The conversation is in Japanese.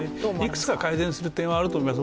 いくつか改善する点はあると思います。